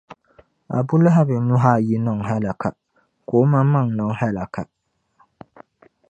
Abu Lahibi nuhi ayi niŋ hallaka, ka o mammaŋ’ niŋ hallaka.